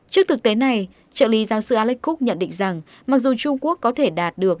trước thực tế này trợ lý giáo sư alexkok nhận định rằng mặc dù trung quốc có thể đạt được